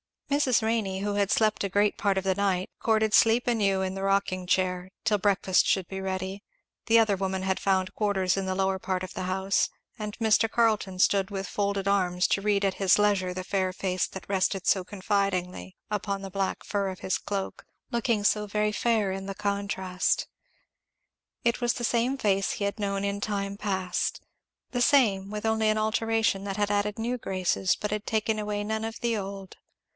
Mrs. Renney, who had slept a great part of the night, courted sleep anew in the rocking chair, till breakfast should be ready; the other woman had found quarters in the lower part of the house; and Mr. Carleton stood still with folded arms to read at his leisure the fair face that rested so confidingly upon the black fur of his cloak, looking so very fair in the contrast. It was the same face he had known in time past, the same, with only an alteration that had added new graces but had taken away none of the old.